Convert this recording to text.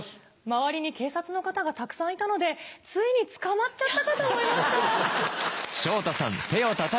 周りに警察の方がたくさんいたのでついに捕まっちゃったかと思いました。